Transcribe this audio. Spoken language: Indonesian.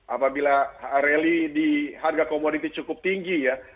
apabila rally di harga komoditi cukup tinggi ya